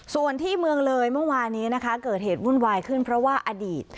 ส่วนที่เมืองเลยเมื่อวานี้นะคะเกิดเหตุวุ่นวายขึ้นเพราะว่าอดีต